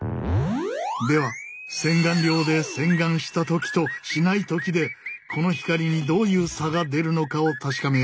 では洗顔料で洗顔した時としない時でこの光にどういう差が出るのかを確かめよう。